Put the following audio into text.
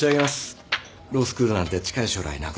ロースクールなんて近い将来なくなりますよ。